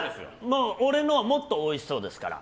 俺のはもっとおいしそうですから。